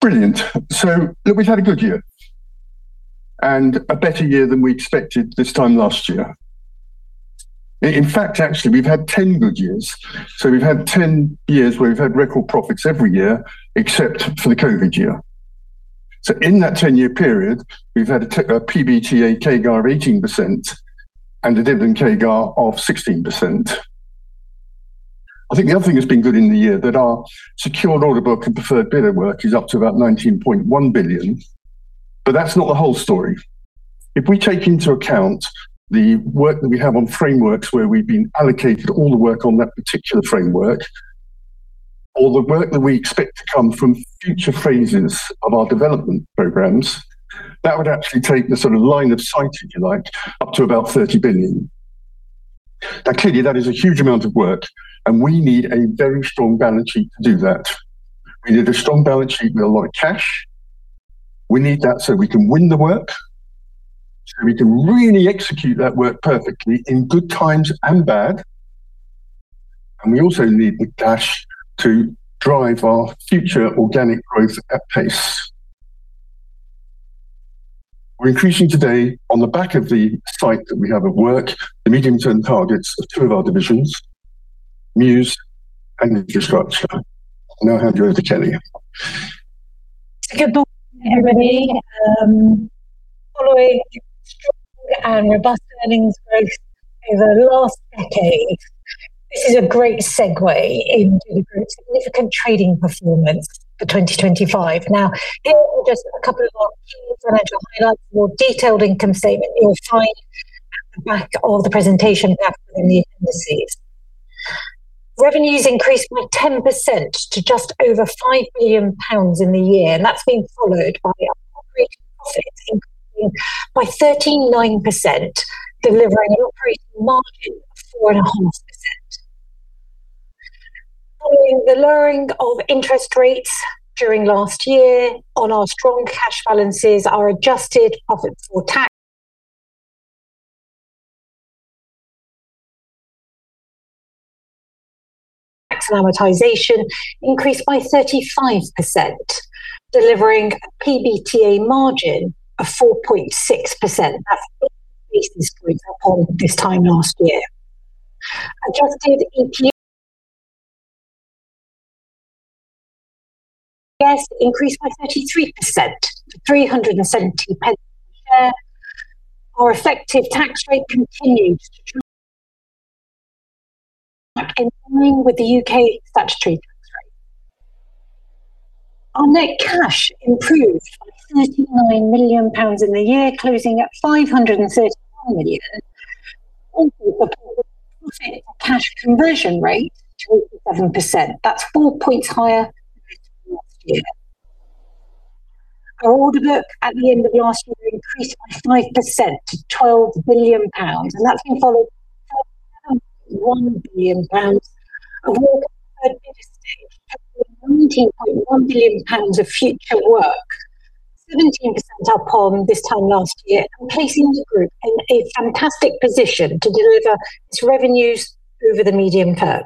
Brilliant! Look, we've had a good year, and a better year than we expected this time last year. Actually, we've had 10 good years. We've had 10 years where we've had record profits every year, except for the COVID year. In that 10-year period, we've had a PBTA CAGR of 18% and a dividend CAGR of 16%. I think the other thing that's been good in the year, that our secured order book and preferred bidder work is up to about 19.1 billion. That's not the whole story. If we take into account the work that we have on frameworks where we've been allocated all the work on that particular framework, all the work that we expect to come from future phases of our development programs, that would actually take the sort of line of sight, if you like, up to about 30 billion. Clearly, that is a huge amount of work. We need a very strong balance sheet to do that. We need a strong balance sheet with a lot of cash. We need that so we can win the work, so we can really execute that work perfectly in good times and bad. We also need the cash to drive our future organic growth at pace. We're increasing today on the back of the site that we have at work, the medium-term targets of two of our divisions, Muse and Infrastructure. I'll now hand you over to Kelly. Good morning, everybody, following strong and robust earnings growth over the last decade, this is a great segue into the group's significant trading performance for 2025. Here are just a couple of our key financial highlights. More detailed income statement you'll find at the back of the presentation pack in the indices. Revenues increased by 10% to just over 5 billion pounds in the year, and that's been followed by operating profits increasing by 39%, delivering an operating margin of four and a half percent. Following the lowering of interest rates during last year on our strong cash balances, our adjusted profit for tax and amortization increased by 35%, delivering a PBTA margin of 4.6%. That's increased this point upon this time last year. Adjusted EPS increased by 33% to 370 pence per share. Our effective tax rate continued to track in line with the UK statutory tax rate. Our net cash improved by GBP 39 million in the year, closing at GBP 531 million. Profit cash conversion rate to 87%. That's 4 points higher than last year. Our order book at the end of last year increased by 5% to 12 billion pounds, and that's been followed by 1 billion pounds of work, GBP 19.1 billion of future work, 17% up on this time last year, placing the group in a fantastic position to deliver its revenues over the medium term.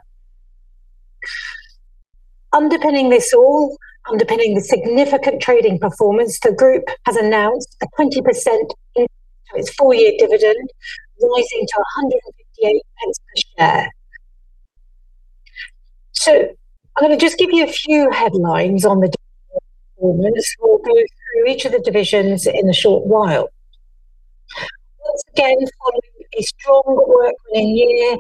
Underpinning this all, underpinning the significant trading performance, the group has announced a 20% increase to its 4-year dividend, rising to 1.58 per share. I'm gonna just give you a few headlines on the performance. We'll go through each of the divisions in a short while. Once again, following a strong work running year,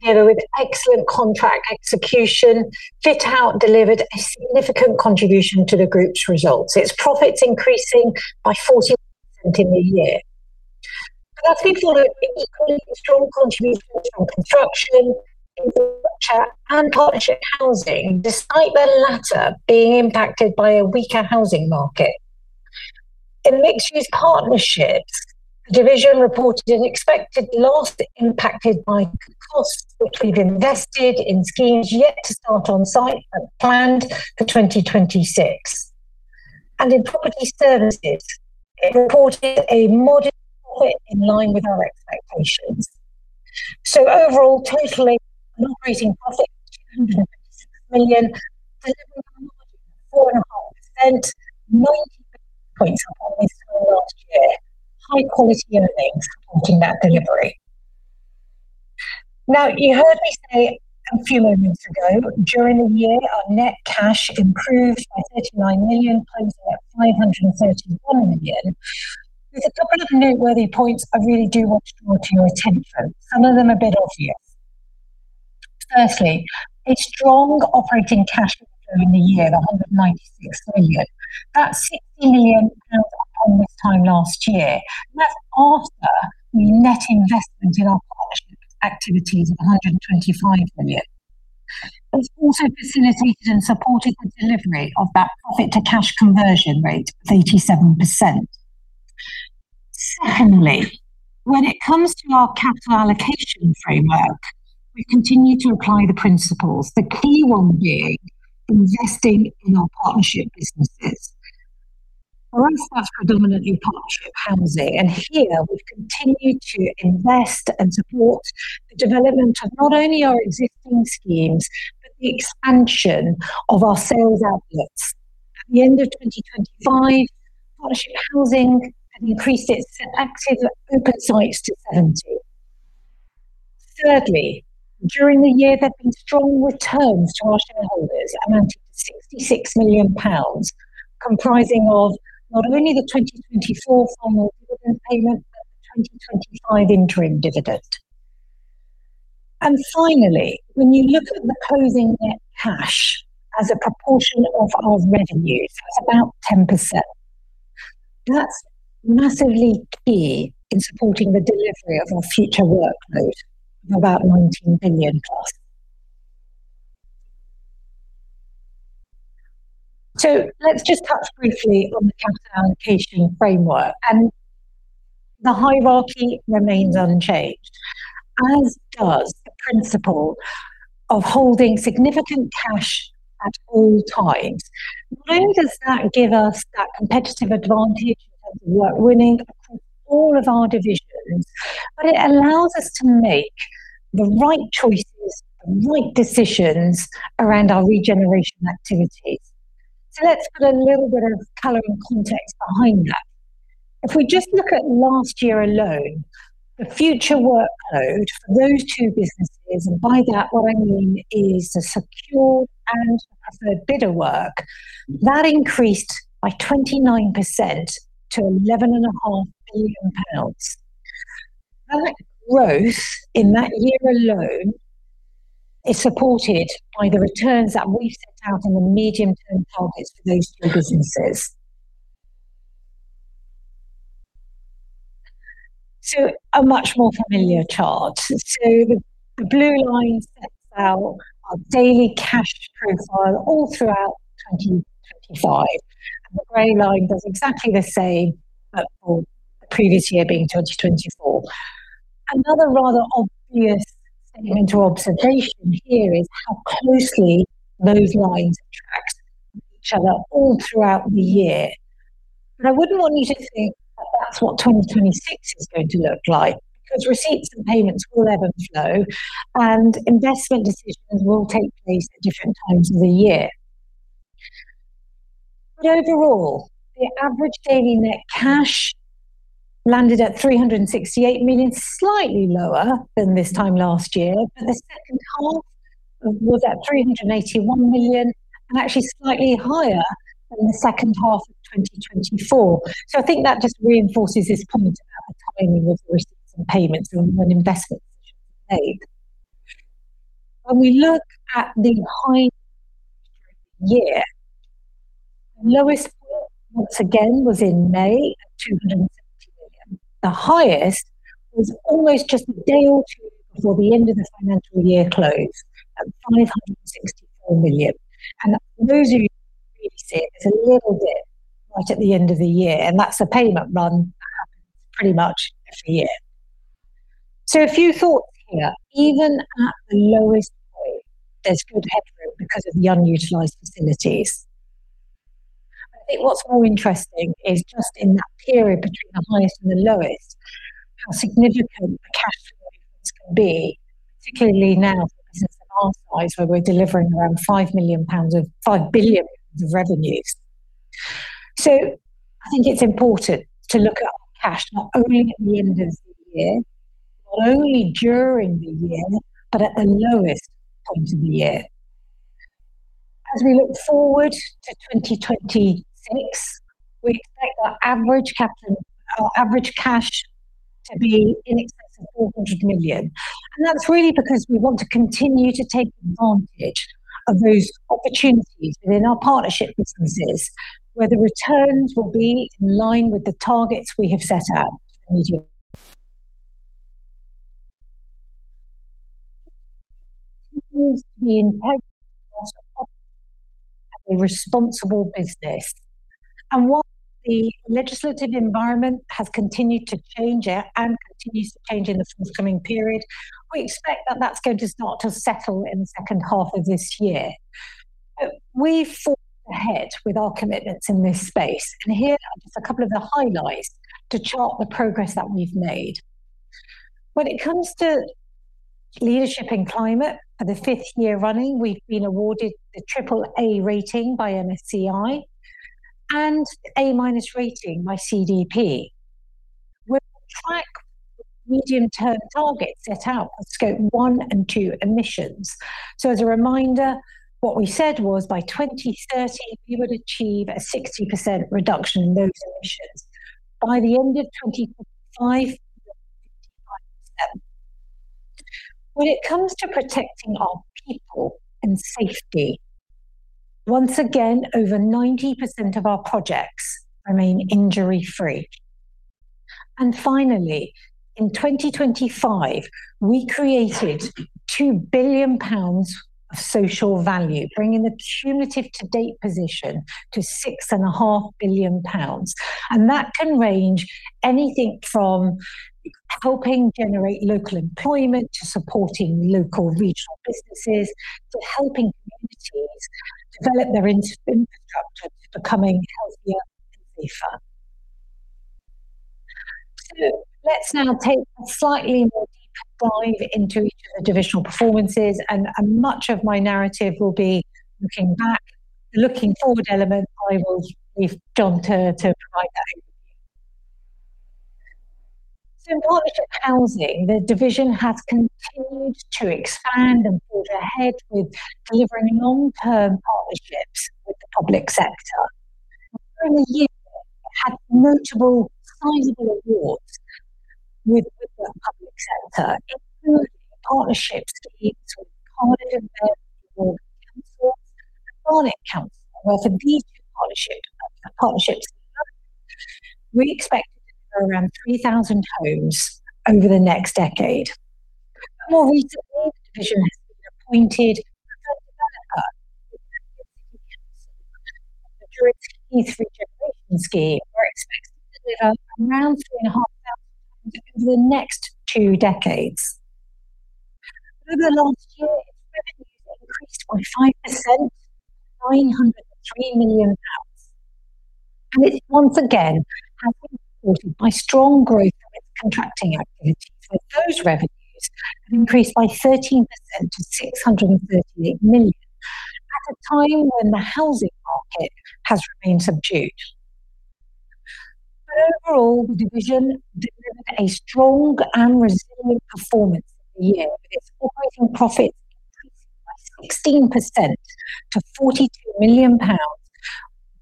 together with excellent contract execution, Fit Out delivered a significant contribution to the group's results, its profits increasing by 40% in the year. That's been followed by equally strong contributions from Construction, Infrastructure, and Partnership Housing, despite the latter being impacted by a weaker housing market. In Mixed Use Partnerships, the division reported an expected loss impacted by costs, which we've invested in schemes yet to start on site and planned for 2026. In Property Services, it reported a modest profit in line with our expectations. Overall, totaling an operating profit of 260 million, delivering a margin of 4.5%, 90 percentage points up on this time last year. High quality earnings supporting that delivery. You heard me say a few moments ago, during the year, our net cash improved by 39 million, closing at 531 million. There's a couple of noteworthy points I really do want to draw to your attention, some of them a bit obvious. Firstly, a strong operating cash flow in the year, 196 million. That's 60 million pounds up on this time last year. That's after the net investment in our partnership activities of 125 million. It's also facilitated and supported the delivery of that profit to cash conversion rate of 87%. Secondly, when it comes to our capital allocation framework, we continue to apply the principles, the key one being investing in our partnership businesses. For us, that's predominantly Partnership Housing, here we've continued to invest and support the development of not only our existing schemes, but the expansion of our sales outlets. At the end of 2025, Partnership Housing had increased its active open sites to 70. Thirdly, during the year, there have been strong returns to our shareholders, amounting to 66 million pounds, comprising of not only the 2024 final dividend payment, the 2025 interim dividend. Finally, when you look at the closing net cash as a proportion of our revenues, that's about 10%. That's massively key in supporting the delivery of our future workload of about 19 billion+. Let's just touch briefly on the capital allocation framework, the hierarchy remains unchanged, as does the principle of holding significant cash at all times. Not only does that give us that competitive advantage in terms of work winning across all of our divisions, but it allows us to make the right choices and the right decisions around our regeneration activities. Let's put a little bit of color and context behind that. If we just look at last year alone, the future workload for those two businesses, and by that, what I mean is the secure and preferred bidder work, that increased by 29% to eleven and a half billion pounds. That growth in that year alone is supported by the returns that we set out in the medium-term targets for those two businesses. A much more familiar chart. The blue line sets out our daily cash profile all throughout 2025, and the gray line does exactly the same for the previous year, being 2024. Another rather obvious statement or observation here is how closely those lines tracks each other all throughout the year. I wouldn't want you to think that's what 2026 is going to look like, because receipts and payments will ebb and flow, and investment decisions will take place at different times of the year. Overall, the average daily net cash landed at 368 million, slightly lower than this time last year, but the second half was at 381 million, and actually slightly higher than the second half of 2024. I think that just reinforces this point about the timing of the receipts and payments and when investments are made. When we look at the high during the year, the lowest, once again, was in May at 270 million. The highest was almost just a day or two before the end of the financial year close, at 564 million. For those of you who really see it, there's a little dip right at the end of the year, and that's a payment run that happens pretty much every year. A few thoughts here. Even at the lowest point, there's good headroom because of the underutilized facilities. I think what's more interesting is just in that period between the highest and the lowest, how significant the cash flow can be, particularly now for business of our size, where we're delivering around 5 billion pounds of revenues. I think it's important to look at our cash not only at the end of the year, not only during the year, but at the lowest point of the year. As we look forward to 2026, we expect our average capital, our average cash to be in excess of 400 million, and that's really because we want to continue to take advantage of those opportunities within our partnership businesses, where the returns will be in line with the targets we have set out. A responsible business. While the legislative environment has continued to change and continues to change in the forthcoming period, we expect that that's going to start to settle in the second half of this year. We've thought ahead with our commitments in this space. Here are just a couple of the highlights to chart the progress that we've made. When it comes to leadership in climate, for the fifth year running, we've been awarded the triple A rating by MSCI and A minus rating by CDP. We'll track medium-term targets set out for Scope 1 and 2 emissions. As a reminder, what we said was by 2030, we would achieve a 60% reduction in those emissions. By the end of 2025, 55%. When it comes to protecting our people and safety, once again, over 90% of our projects remain injury-free. Finally, in 2025, we created 2 billion pounds of social value, bringing the cumulative to-date position to six and a half billion GBP, and that can range. Anything from helping generate local employment, to supporting local regional businesses, to helping communities develop their infrastructure to becoming healthier and safer. Let's now take a slightly more deeper dive into each of the divisional performances, and much of my narrative will be looking back. Looking forward element, I will leave John to provide that. In Partnership Housing, the division has continued to expand and build ahead with delivering long-term partnerships with the public sector. During the year, it had notable sizable awards with the public sector, including partnerships with Cardiff Council. Cardiff Council was a big partnership. We expect around 3,000 homes over the next decade. More recently, the division has been appointed during key three generation scheme, where it's expected to deliver around 3,500 homes over the next two decades. Over the last year, its revenues increased by 5%, 903 million pounds. It once again, has been supported by strong growth in its contracting activities, with those revenues increased by 13% to 638 million, at a time when the housing market has remained subdued. Overall, the division delivered a strong and resilient performance of the year, with its operating profit increasing by 16% to 42 million pounds,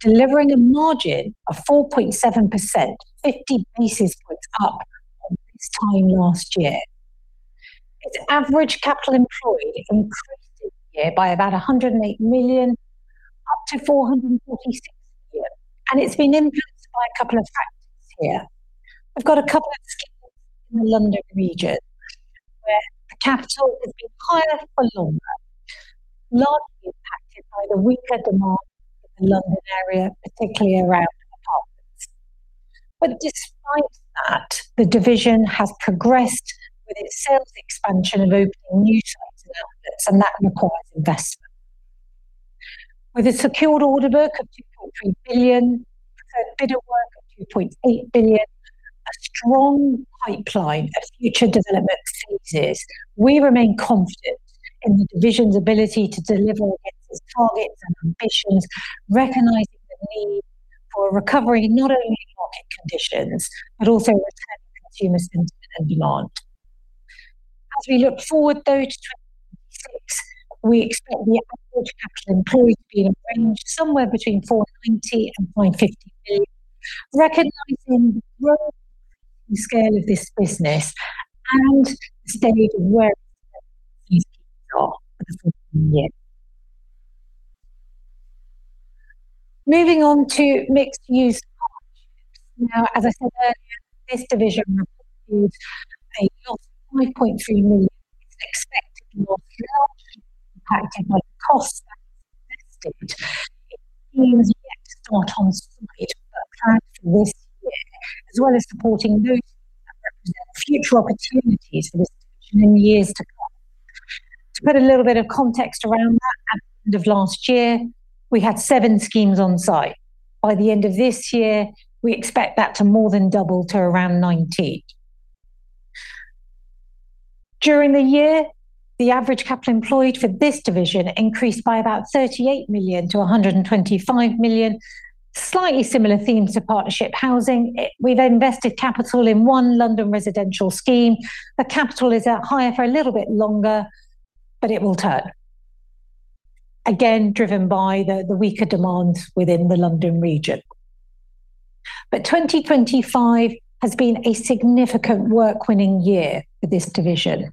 delivering a margin of 4.7%, 50 basis points up from this time last year. Its average capital employed increased this year by about 108 million, up to 446 million. It's been influenced by a couple of factors here. We've got a couple of schemes in the London region, where the capital has been higher for longer, largely impacted by the weaker demand in the London area, particularly around apartments. Despite that, the division has progressed with its sales expansion of opening new trade outlets, and that requires investment. With a secured order book of 2.3 billion, preferred bidder work of 2.8 billion, a strong pipeline of future development phases, we remain confident in the division's ability to deliver against its targets and ambitions, recognizing the need for a recovery, not only in market conditions, but also returning consumer sentiment and demand. As we look forward, though, to 2026, we expect the average capital employed to be in a range somewhere between 420 million and GBP 0.50 billion, recognizing the growth and scale of this business and the state of where these people are for the year. Moving on to Mixed Use. Now, as I said earlier, this division reported a loss of GBP 5.3 million. It's expected more large impacted by costs invested. It seems yet to what on site were planned for this year, as well as supporting those future opportunities for this in years to come. To put a little bit of context around that, at the end of last year, we had seven schemes on site. By the end of this year, we expect that to more than double to around 19. During the year, the average capital employed for this division increased by about 38 million to 125 million. Slightly similar themes to Partnership Housing. We've invested capital in one London residential scheme. The capital is out higher for a little bit longer, but it will turn. Again, driven by the weaker demands within the London region. 2025 has been a significant work-winning year for this division.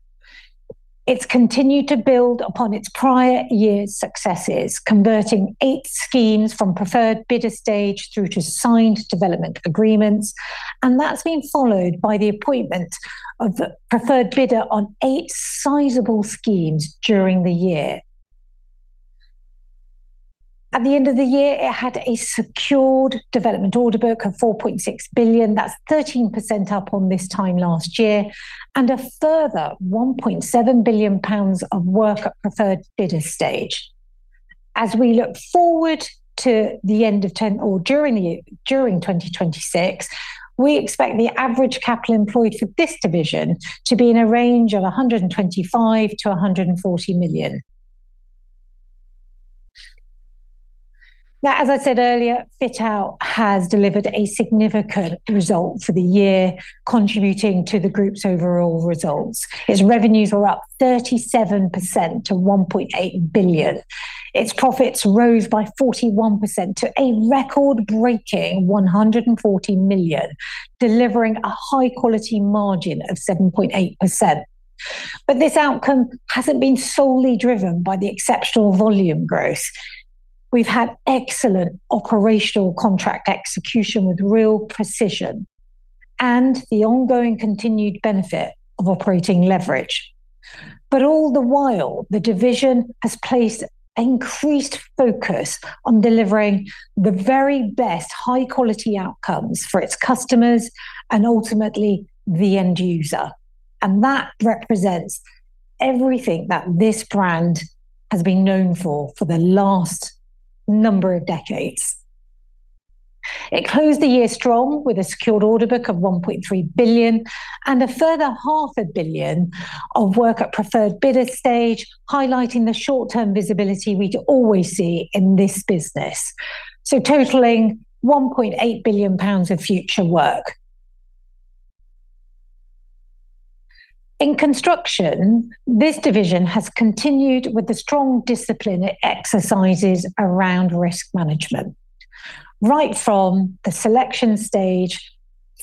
It's continued to build upon its prior year's successes, converting 8 schemes from preferred bidder stage through to signed development agreements, and that's been followed by the appointment of the preferred bidder on 8 sizable schemes during the year. At the end of the year, it had a secured development order book of 4.6 billion. That's 13% up on this time last year, and a further 1.7 billion pounds of work at preferred bidder stage. As we look forward to the end of 10 or during 2026, we expect the average capital employed for this division to be in a range of 125 million-140 million. As I said earlier, Fit Out has delivered a significant result for the year, contributing to the group's overall results. Its revenues are up 37% to 1.8 billion. Its profits rose by 41% to a record-breaking 140 million, delivering a high-quality margin of 7.8%. This outcome hasn't been solely driven by the exceptional volume growth. We've had excellent operational contract execution with real precision and the ongoing continued benefit of operating leverage. All the while, the division has placed increased focus on delivering the very best high-quality outcomes for its customers and ultimately, the end user. That represents everything that this brand has been known for the last number of decades. It closed the year strong with a secured order book of 1.3 billion, and a further half a billion of work at preferred bidder stage, highlighting the short-term visibility we always see in this business, so totaling 1.8 billion pounds of future work. In Construction, this division has continued with the strong discipline it exercises around risk management, right from the selection stage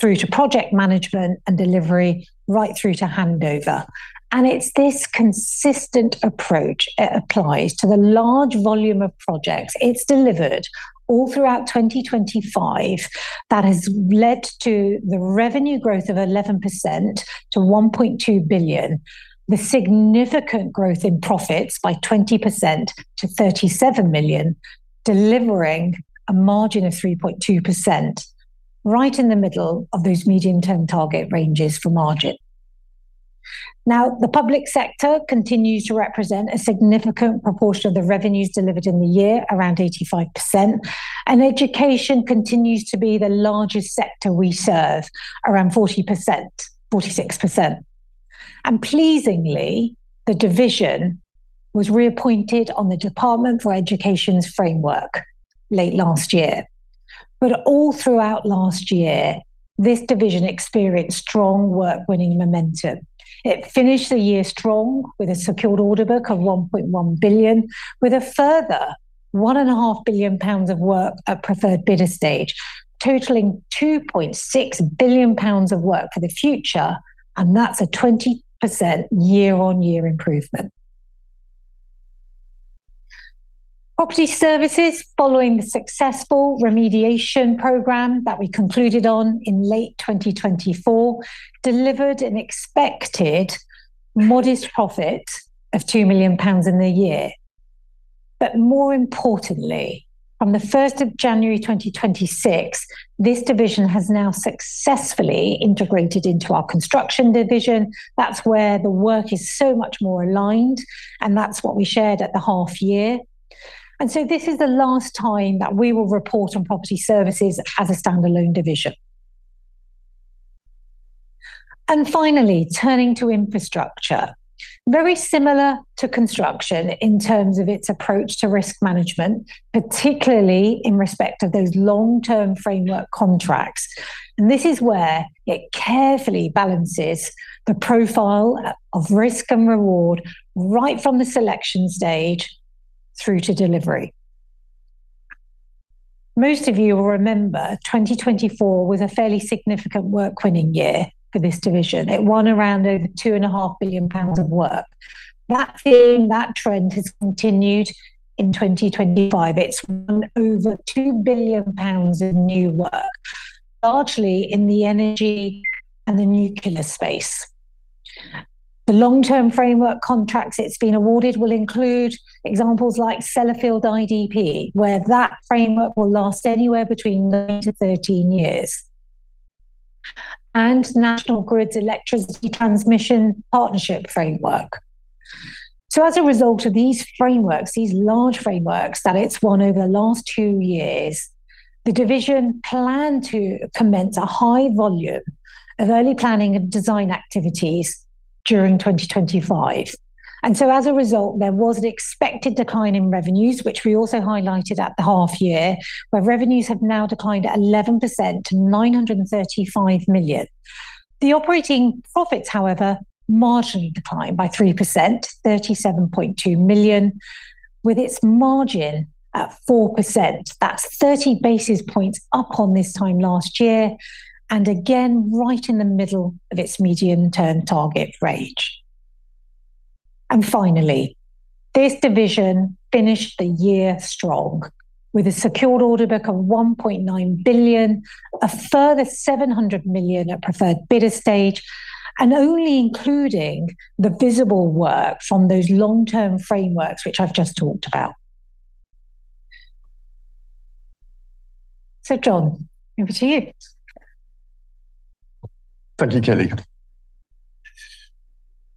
through to project management and delivery, right through to handover. It's this consistent approach it applies to the large volume of projects it's delivered all throughout 2025, that has led to the revenue growth of 11% to 1.2 billion. The significant growth in profits by 20% to 37 million, delivering a margin of 3.2%, right in the middle of those medium-term target ranges for margin. The public sector continues to represent a significant proportion of the revenues delivered in the year, around 85%, education continues to be the largest sector we serve, around 40%, 46%. Pleasingly, the division was reappointed on the Department for Education's framework late last year. All throughout last year, this division experienced strong work-winning momentum. It finished the year strong, with a secured order book of 1.1 billion, with a further one and a half billion GBP of work at preferred bidder stage, totaling 2.6 billion pounds of work for the future, that's a 20% year-on-year improvement. Property Services, following the successful remediation program that we concluded on in late 2024, delivered an expected modest profit of 2 million pounds in the year. More importantly, on the 1st of January 2026, this division has now successfully integrated into our Construction division. That's where the work is so much more aligned, and that's what we shared at the half year. This is the last time that we will report on Property Services as a standalone division. Finally, turning to Infrastructure. Very similar to Construction in terms of its approach to risk management, particularly in respect of those long-term framework contracts. This is where it carefully balances the profile of risk and reward, right from the selection stage through to delivery. Most of you will remember, 2024 was a fairly significant work-winning year for this division. It won around over 2 and a half billion pounds of work. That theme, that trend has continued in 2025. It's won over 2 billion pounds in new work, largely in the energy and the nuclear space. The long-term framework contracts it's been awarded will include examples like Sellafield IDP, where that framework will last anywhere between 9-13 years, and National Grid's Electricity Transmission Partnership Framework. As a result of these frameworks, these large frameworks that it's won over the last two years, the division planned to commence a high volume of early planning and design activities during 2025. As a result, there was an expected decline in revenues, which we also highlighted at the half year, where revenues have now declined 11% to 935 million. The operating profits, however, marginally declined by 3%, 37.2 million, with its margin at 4%. That's 30 basis points up on this time last year, and again, right in the middle of its medium-term target range. Finally, this division finished the year strong, with a secured order book of 1.9 billion, a further 700 million at preferred bidder stage, and only including the visible work from those long-term frameworks, which I've just talked about. John, over to you. Thank you, Kelly.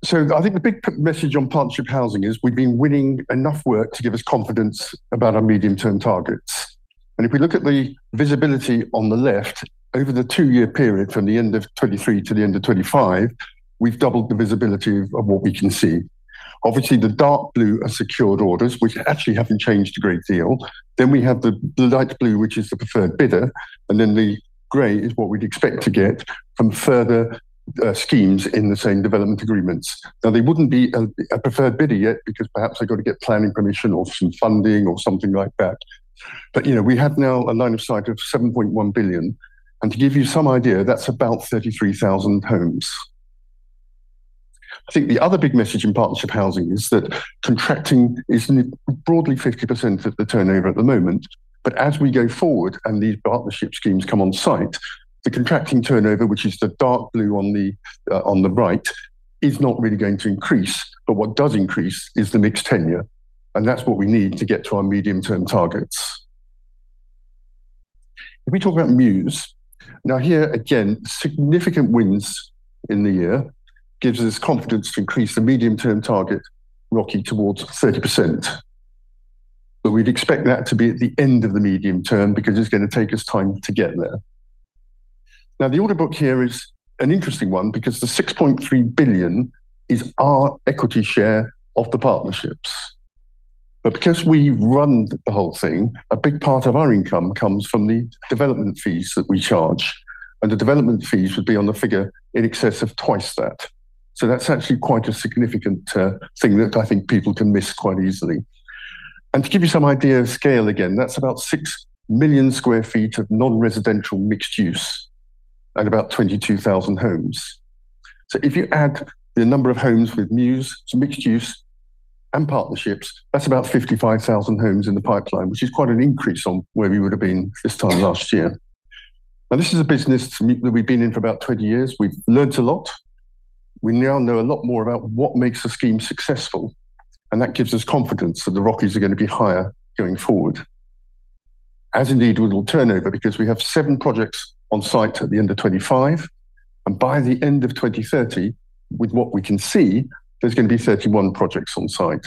I think the big message on Partnership Housing is we've been winning enough work to give us confidence about our medium-term targets. If we look at the visibility on the left, over the two-year period from the end of 23 to the end of 25, we've doubled the visibility of what we can see. Obviously, the dark blue are secured orders, which actually haven't changed a great deal. We have the light blue, which is the preferred bidder, the gray is what we'd expect to get from further schemes in the same development agreements. They wouldn't be a preferred bidder yet, because perhaps they've got to get planning permission or some funding, or something like that. You know, we have now a line of sight of 7.1 billion, and to give you some idea, that's about 33,000 homes. I think the other big message in Partnership Housing is that contracting is broadly 50% of the turnover at the moment, but as we go forward and these partnership schemes come on site, the contracting turnover, which is the dark blue on the right, is not really going to increase. What does increase is the mixed tenure, and that's what we need to get to our medium-term targets. If we talk about Muse, now here again, significant wins in the year gives us confidence to increase the medium-term target ROCE towards 30%. We'd expect that to be at the end of the medium term because it's gonna take us time to get there. The order book here is an interesting one because the 6.3 billion is our equity share of the partnerships. Because we run the whole thing, a big part of our income comes from the development fees that we charge. The development fees would be on the figure in excess of twice that. That's actually quite a significant thing that I think people can miss quite easily. To give you some idea of scale, again, that's about 6 million sq ft of non-residential mixed-use and about 22,000 homes. If you add the number of homes with Muse to mixed-use and partnerships, that's about 55,000 homes in the pipeline, which is quite an increase on where we would have been this time last year. This is a business that we've been in for about 20 years. We've learned a lot. We now know a lot more about what makes a scheme successful. That gives us confidence that the ROCEs are gonna be higher going forward. As indeed with turnover, because we have 7 projects on site at the end of 2025, and by the end of 2030, with what we can see, there's gonna be 31 projects on site.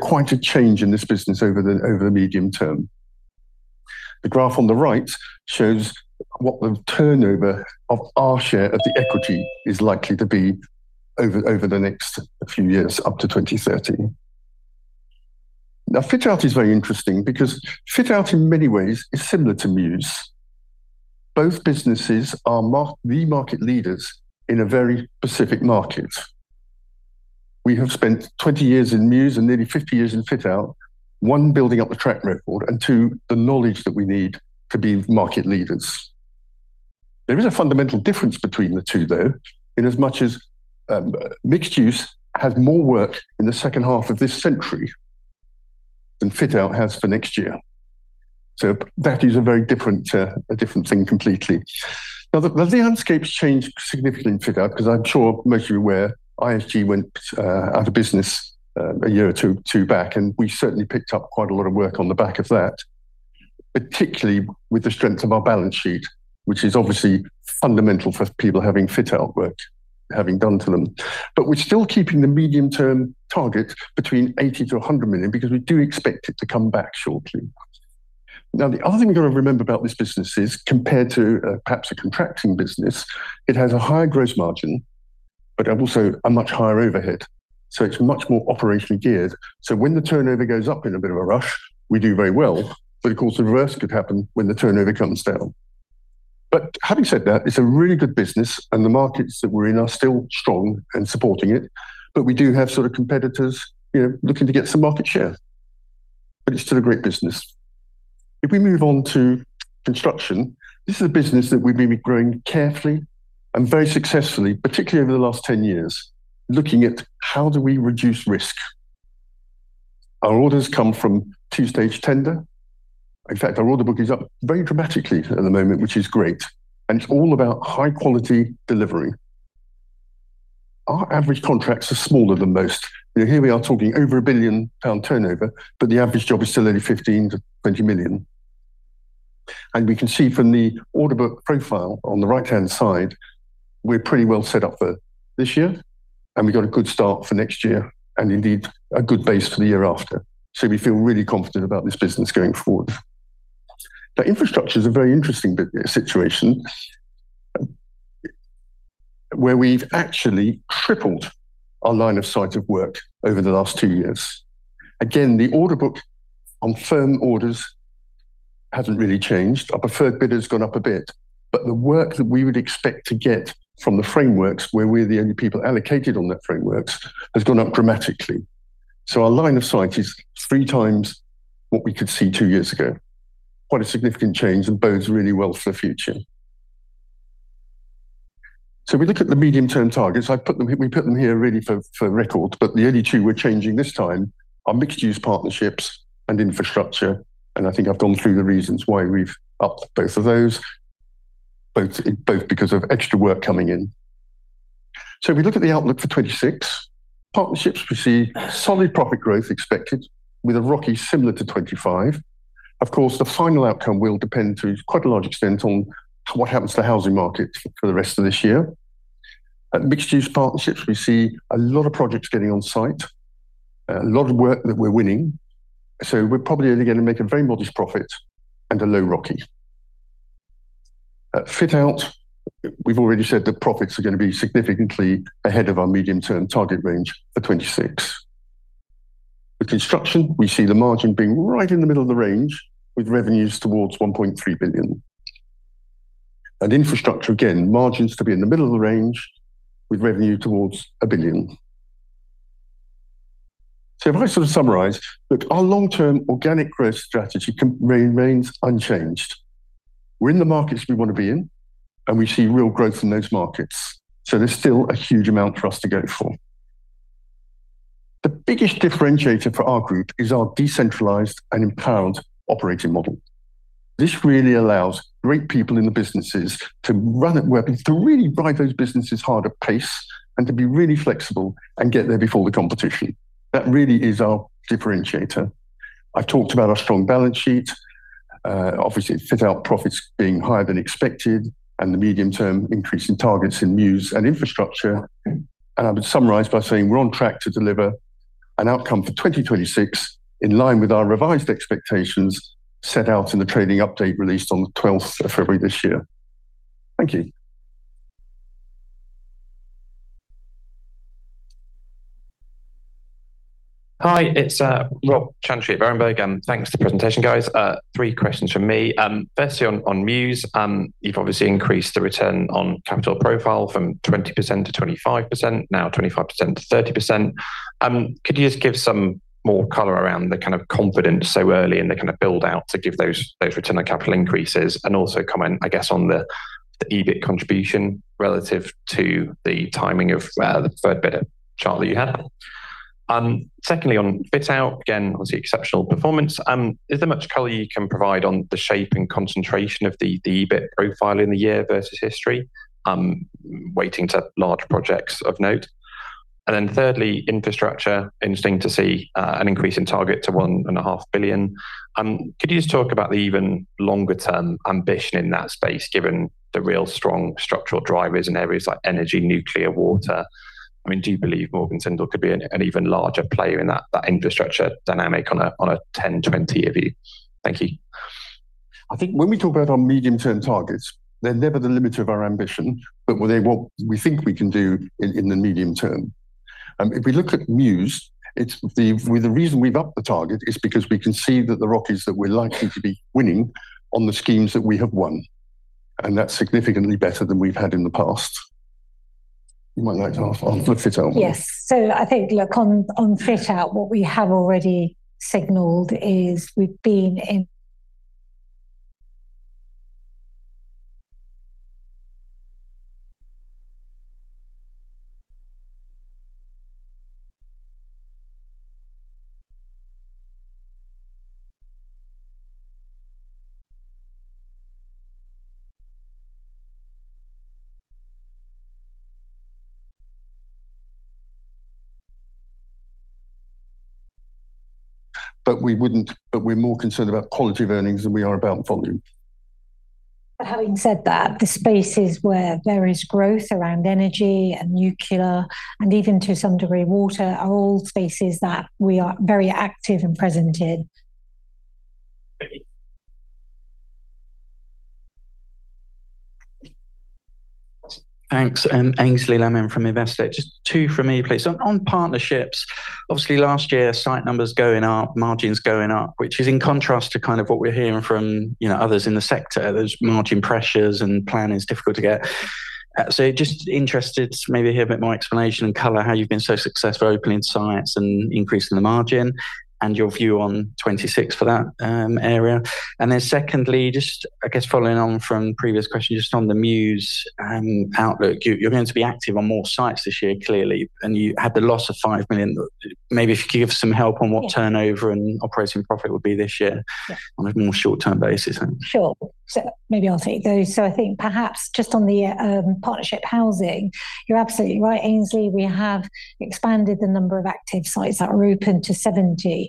Quite a change in this business over the medium term. The graph on the right shows what the turnover of our share of the equity is likely to be over the next few years, up to 2030. Fit Out is very interesting because Fit Out, in many ways, is similar to Muse. Both businesses are the market leaders in a very specific market. We have spent 20 years in Muse and nearly 50 years in Fit Out, 1, building up a track record, and 2, the knowledge that we need to be market leaders. There is a fundamental difference between the two, though, in as much as, Mixed Use has more work in the second half of this century than Fit Out has for next year. That is a very different, a different thing completely. The landscape has changed significantly in Fit Out because I'm sure most of you are aware, ISG went out of business a year or 2 back, and we certainly picked up quite a lot of work on the back of that, particularly with the strength of our balance sheet, which is obviously fundamental for people having Fit Out work, having done to them. We're still keeping the medium-term target between 80 million-100 million because we do expect it to come back shortly. The other thing we've got to remember about this business is, compared to perhaps a contracting business, it has a higher gross margin, but also a much higher overhead, so it's much more operationally geared. When the turnover goes up in a bit of a rush, we do very well, but of course, the reverse could happen when the turnover comes down. Having said that, it's a really good business and the markets that we're in are still strong and supporting it, but we do have sort of competitors, you know, looking to get some market share. It's still a great business. If we move on to Construction, this is a business that we've been growing carefully and very successfully, particularly over the last 10 years, looking at how do we reduce risk? Our orders come from two-stage tender. Our order book is up very dramatically at the moment, which is great, and it's all about high-quality delivery. Our average contracts are smaller than most. You know, here we are talking over a 1 billion pound turnover, but the average job is still only 15 million-20 million. We can see from the order book profile on the right-hand side, we're pretty well set up for this year, and we got a good start for next year, and indeed, a good base for the year after. We feel really confident about this business going forward. Now, Infrastructure is a very interesting situation where we've actually tripled our line of sight of work over the last 2 years. Again, the order book on firm orders hasn't really changed. Our preferred bid has gone up a bit, but the work that we would expect to get from the frameworks, where we're the only people allocated on that frameworks, has gone up dramatically. Our line of sight is 3 times what we could see 2 years ago. Quite a significant change and bodes really well for the future. We look at the medium-term targets. We put them here really for record, but the only 2 we're changing this time are Mixed Use Partnerships and Infrastructure, and I think I've gone through the reasons why we've upped both of those both because of extra work coming in. If we look at the outlook for 2026, Partnerships, we see solid profit growth expected with a ROCE similar to 2025. Of course, the final outcome will depend to quite a large extent on what happens to the housing market for the rest of this year. At Mixed Use Partnerships, we see a lot of projects getting on site, a lot of work that we're winning, so we're probably only gonna make a very modest profit and a low ROCE. At Fit Out, we've already said that profits are gonna be significantly ahead of our medium-term target range for 2026. With Construction, we see the margin being right in the middle of the range, with revenues towards 1.3 billion. Infrastructure, again, margins to be in the middle of the range, with revenue towards 1 billion. If I sort of summarize, look, our long-term organic growth strategy remains unchanged. We're in the markets we want to be in, and we see real growth in those markets, so there's still a huge amount for us to go for. The biggest differentiator for our group is our decentralized and empowered operating model. This really allows great people in the businesses to run it well, and to really drive those businesses hard at pace, and to be really flexible and get there before the competition. That really is our differentiator. I've talked about our strong balance sheet, obviously, Fit Out profits being higher than expected, and the medium-term increase in targets in Muse and Infrastructure. I would summarize by saying we're on track to deliver an outcome for 2026 in line with our revised expectations set out in the trading update released on the 12th of February this year. Thank you. Hi, it's Rob Chantry at Berenberg. Thanks for the presentation, guys. Three questions from me. Firstly, on Muse, you've obviously increased the return on capital profile from 20% to 25%, now 25% to 30%. Could you just give some more color around the kind of confidence so early in the kind of build-out to give those return on capital increases? Also comment, I guess, on the EBIT contribution relative to the timing of the third bit chart that you had. Secondly, on Fit Out, again, obviously exceptional performance. Is there much color you can provide on the shape and concentration of the EBIT profile in the year versus history? Waiting to large projects of note. thirdly, Infrastructure, interesting to see an increase in target to one and a half billion. Could you just talk about the even longer-term ambition in that space, given the real strong structural drivers in areas like energy, nuclear, water? I mean, do you believe Morgan Sindall could be an even larger player in that infrastructure dynamic on a 10, 20 view? Thank you. I think when we talk about our medium-term targets, they're never the limit of our ambition, but they're what we think we can do in the medium term. If we look at Muse, well, the reason we've upped the target is because we can see that the ROCE that we're likely to be winning on the schemes that we have won, that's significantly better than we've had in the past. You might like to add on the Fit Out. Yes. I think, look, on Fit Out, what we have already signaled is we've been. We're more concerned about quality of earnings than we are about volume. Having said that, the spaces where there is growth around energy and nuclear, and even to some degree, water, are all spaces that we are very active and present in. Thank you. Thanks. Aynsley Lammin from Investec. Just two from me, please. On partnerships, obviously, last year, site numbers going up, margins going up, which is in contrast to kind of what we're hearing from, you know, others in the sector. There's margin pressures and planning is difficult to get. Just interested to maybe hear a bit more explanation and color, how you've been so successful opening sites and increasing the margin, and your view on 26 for that area. Secondly, just, I guess, following on from previous questions, just on the Muse outlook. You're going to be active on more sites this year, clearly, and you had the loss of 5 million. Maybe if you could give us some help on what turnover- Yeah... and operating profit would be this year. Yeah on a more short-term basis. Sure. Maybe I'll take those. I think perhaps just on the Partnership Housing, you're absolutely right, Aynsley. We have expanded the number of active sites that are open to 70.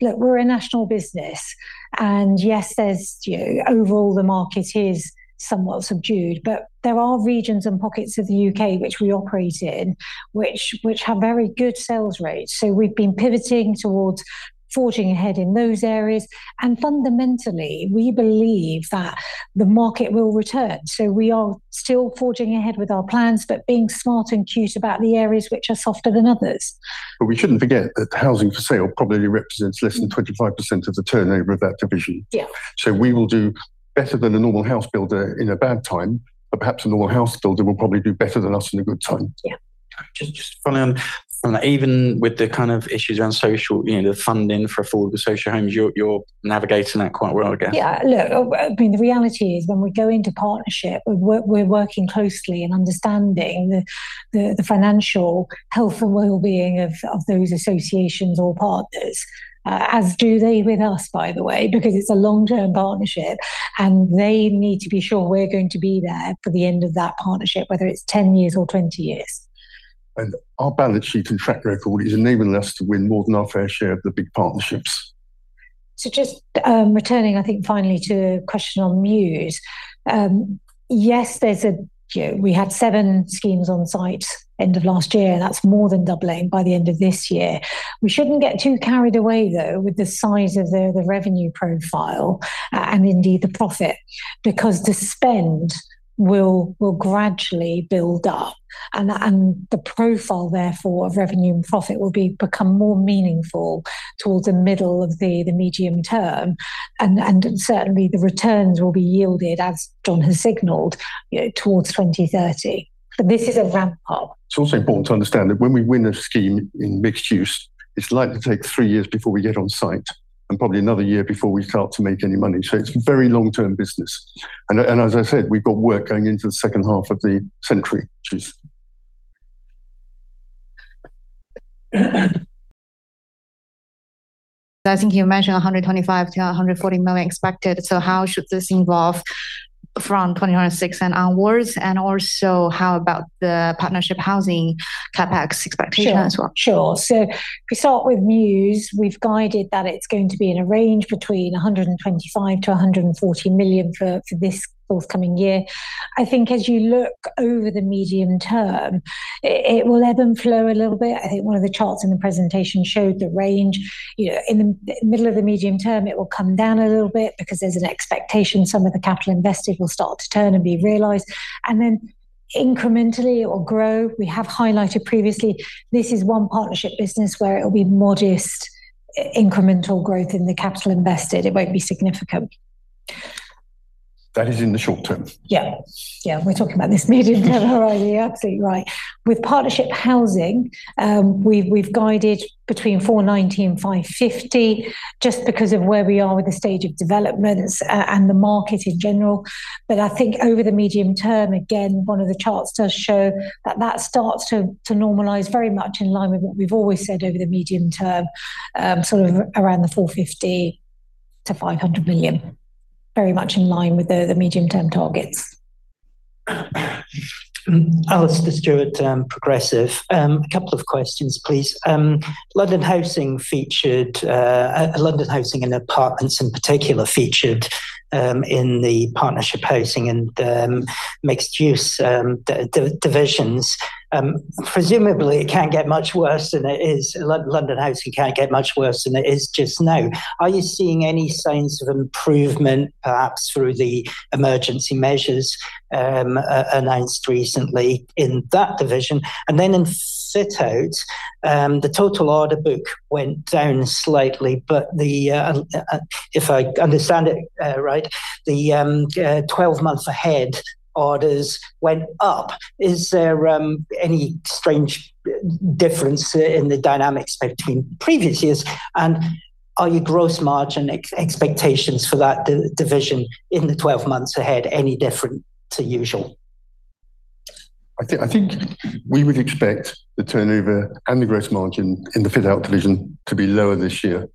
Look, we're a national business, and yes, there's, you know, overall, the market is somewhat subdued, but there are regions and pockets of the U.K. which we operate in, which have very good sales rates. We've been pivoting towards forging ahead in those areas, and fundamentally, we believe that the market will return. We are still forging ahead with our plans, but being smart and cute about the areas which are softer than others. We shouldn't forget that housing for sale probably represents less than 25% of the turnover of that division. Yeah. We will do better than a normal house builder in a bad time, but perhaps a normal house builder will probably do better than us in a good time. Yeah. Just following on, even with the kind of issues around social, you know, the funding for affordable social homes, you're navigating that quite well, I guess? Look, I mean, the reality is when we go into partnership, we're working closely and understanding the financial health and wellbeing of those associations or partners, as do they with us, by the way, because it's a long-term partnership. They need to be sure we're going to be there for the end of that partnership, whether it's 10 years or 20 years. Our balance sheet and track record is enabling us to win more than our fair share of the big partnerships. Just returning, I think, finally, to a question on Muse. Yes, there's a, you know, we had seven schemes on site end of last year. That's more than doubling by the end of this year. We shouldn't get too carried away, though, with the size of the revenue profile, and indeed, the profit, because the spend will gradually build up, and the profile, therefore, of revenue and profit will become more meaningful towards the middle of the medium term, and certainly, the returns will be yielded, as John has signaled, you know, towards 2030. This is a ramp-up. It's also important to understand that when we win a scheme in Mixed-use, it's likely to take three years before we get on site and probably another year before we start to make any money. It's very long-term business. As I said, we've got work going into the second half of the century, which is. ... I think you mentioned 125 million-140 million expected. How should this evolve from 2006 and onwards? How about the Partnership Housing CapEx expectation as well? Sure, sure. If we start with Muse, we've guided that it's going to be in a range between 125 million-140 million for this forthcoming year. I think as you look over the medium term, it will ebb and flow a little bit. I think one of the charts in the presentation showed the range. You know, in the middle of the medium term, it will come down a little bit because there's an expectation some of the capital invested will start to turn and be realized, and then incrementally it will grow. We have highlighted previously, this is one partnership business where it will be modest, incremental growth in the capital invested. It won't be significant. That is in the short term? Yeah. Yeah, we're talking about this medium term, are we? Absolutely right. With Partnership Housing, we've guided between 490 million and 550 million, just because of where we are with the stage of development and the market in general. I think over the medium term, again, one of the charts does show that that starts to normalize very much in line with what we've always said over the medium term, sort of around 450 million-500 million. Very much in line with the medium-term targets. Alastair Stewart, Progressive. A couple of questions, please. London Housing featured London Housing and Apartments in particular, featured in the Partnership Housing and mixed-use divisions. Presumably, it can't get much worse than it is London Housing can't get much worse than it is just now. Are you seeing any signs of improvement, perhaps through the emergency measures announced recently in that division? In Fit Out, the total order book went down slightly, but if I understand it right, the 12 months ahead, orders went up. Is there any strange difference in the dynamics between previous years, and are your gross margin expectations for that division in the 12 months ahead, any different to usual? I think we would expect the turnover and the gross margin in the Fit Out division to be lower this year.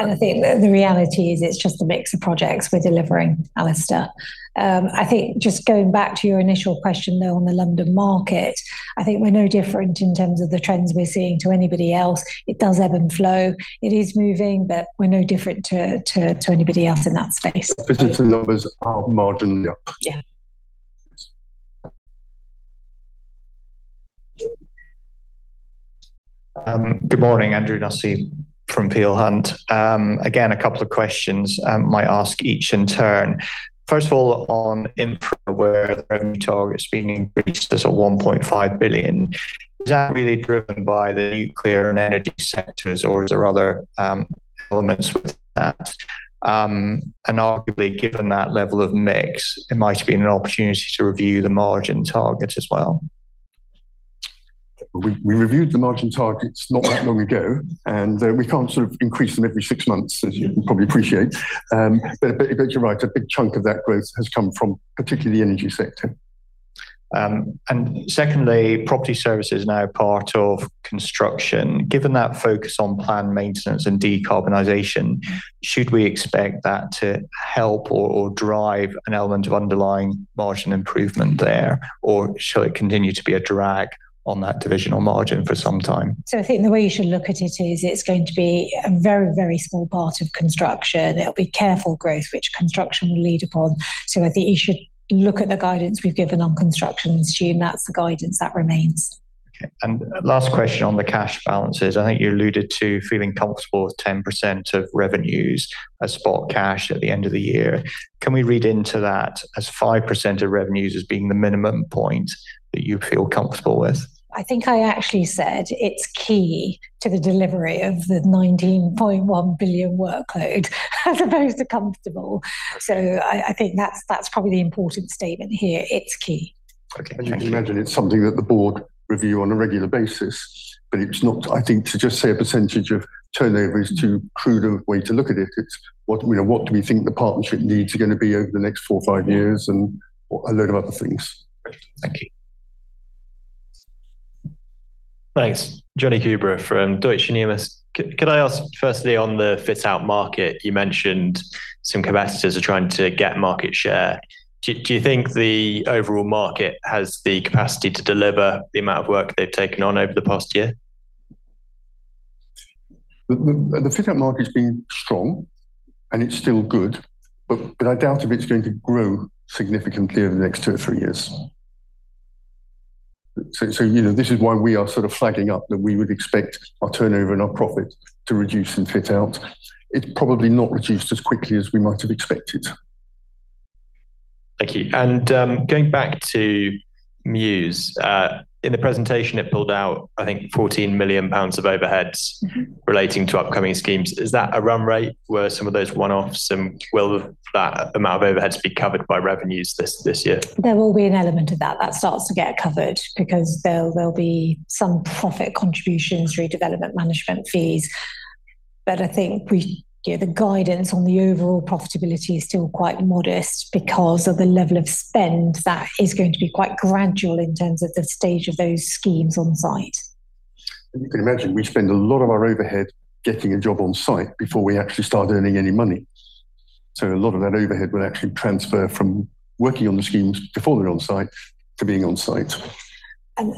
I think the reality is it's just a mix of projects we're delivering, Alastair. I think just going back to your initial question, though, on the London market, I think we're no different in terms of the trends we're seeing to anybody else. It does ebb and flow. It is moving, but we're no different to anybody else in that space. Business numbers are marginally up. Yeah. Good morning, Andrew D'Arcy from Peel Hunt. Again, a couple of questions, I might ask each in turn. First of all, on Infra, where the revenue target is being increased as a 1.5 billion. Is that really driven by the nuclear and energy sectors, or are there other elements with that? Arguably, given that level of mix, it might have been an opportunity to review the margin target as well. We reviewed the margin targets not that long ago, and we can't sort of increase them every 6 months, as you probably appreciate. You're right, a big chunk of that growth has come from particularly the energy sector. secondly, Property Services are now part of Construction. Given that focus on planned maintenance and decarbonization, should we expect that to help or drive an element of underlying margin improvement there, or shall it continue to be a drag on that divisional margin for some time? I think the way you should look at it is, it's going to be a very, very small part of construction. It'll be careful growth, which construction will lead upon. I think you should look at the guidance we've given on construction and assume that's the guidance that remains. Okay, last question on the cash balances. I think you alluded to feeling comfortable with 10% of revenues as spot cash at the end of the year. Can we read into that as 5% of revenues as being the minimum point that you feel comfortable with? I think I actually said it's key to the delivery of the 19.1 billion workload, as opposed to comfortable. I think that's probably the important statement here. It's key. Okay, thank you. You can imagine it's something that the board review on a regular basis, but it's not. I think to just say a percentage of turnover is too crude a way to look at it. It's what, you know, what do we think the partnership needs are gonna be over the next four or five years, and a load of other things. Thank you. Thanks. Jonny Huber from Deutsche Numis. Can I ask, firstly, on the Fit Out market, you mentioned some competitors are trying to get market share. Do you think the overall market has the capacity to deliver the amount of work they've taken on over the past year? The Fit-Out market has been strong, and it's still good, but I doubt if it's going to grow significantly over the next two or three years. You know, this is why we are sort of flagging up that we would expect our turnover and our profit to reduce in Fit Out. It's probably not reduced as quickly as we might have expected. Thank you. Going back to Muse, in the presentation, it pulled out, I think, 14 million pounds of overheads. Mm-hmm. relating to upcoming schemes. Is that a run rate where some of those one-offs and will that amount of overheads be covered by revenues this year? There will be an element of that starts to get covered because there will be some profit contributions, redevelopment, management fees. I think we, you know, the guidance on the overall profitability is still quite modest because of the level of spend that is going to be quite gradual in terms of the stage of those schemes on site. You can imagine, we spend a lot of our overhead getting a job on site before we actually start earning any money. A lot of that overhead would actually transfer from working on the schemes before they're on site to being on site.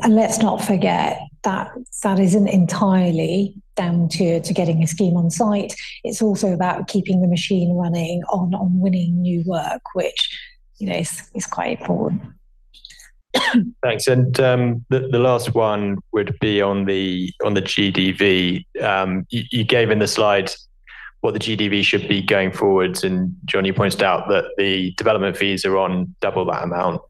Let's not forget that that isn't entirely down to getting a scheme on site. It's also about keeping the machine running on winning new work, which, you know, is quite important. Thanks. The last one would be on the GDV. You gave in the slide what the GDV should be going forward, and John, you pointed out that the development fees are on double that amount.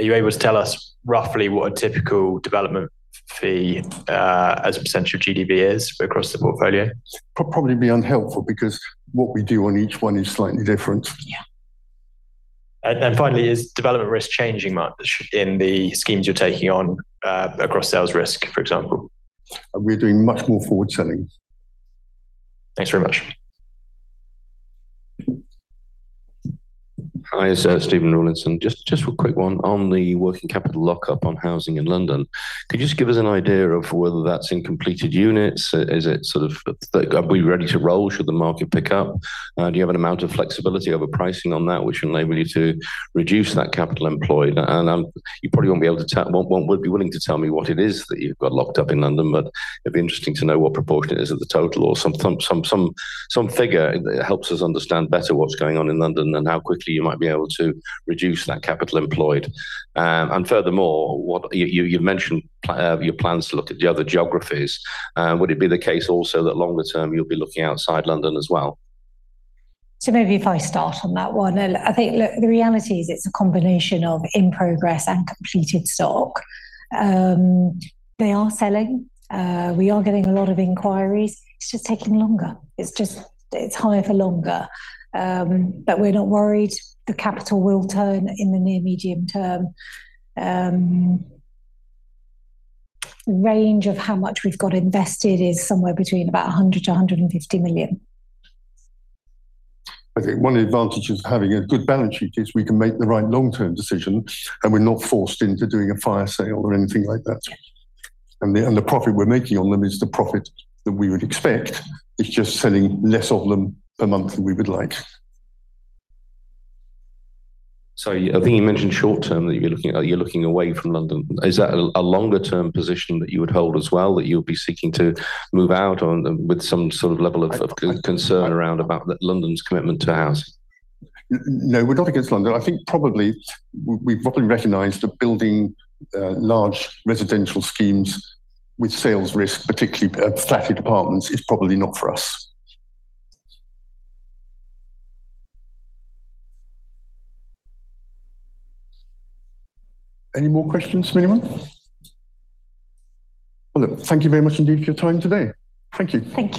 Are you able to tell us roughly what a typical development fee as a percentage of GDV is across the portfolio? Probably be unhelpful because what we do on each one is slightly different. Yeah. Finally, is development risk changing much in the schemes you're taking on across sales risk, for example? We're doing much more forward selling. Thanks very much. Hi, it's Stephen Rawlinson. Just a quick one. On the working capital lockup on housing in London, could you just give us an idea of whether that's in completed units? Is it sort of... Are we ready to roll should the market pick up? Do you have an amount of flexibility over pricing on that, which enable you to reduce that capital employed? You probably won't be able to tell... Won't be willing to tell me what it is that you've got locked up in London, but it'd be interesting to know what proportion it is of the total or some figure that helps us understand better what's going on in London and how quickly you might be able to reduce that capital employed. Furthermore, what, you've mentioned, your plans to look at the other geographies. Would it be the case also that longer term you'll be looking outside London as well? Maybe if I start on that one. I think, look, the reality is it's a combination of in progress and completed stock. They are selling. We are getting a lot of inquiries. It's just taking longer. It's just, it's higher for longer. We're not worried. The capital will turn in the near medium term. Range of how much we've got invested is somewhere between about 100 million-150 million. I think one of the advantages of having a good balance sheet is we can make the right long-term decision, and we're not forced into doing a fire sale or anything like that. The profit we're making on them is the profit that we would expect. It's just selling less of them per month than we would like. I think you mentioned short term that you're looking, you're looking away from London. Is that a longer-term position that you would hold as well, that you'll be seeking to move out on with some sort of level of concern around about London's commitment to house? No, we're not against London. I think probably, we've probably recognized that building large residential schemes with sales risk, particularly flatted apartments is probably not for us. Any more questions from anyone? Well, thank you very much indeed for your time today. Thank you. Thank you.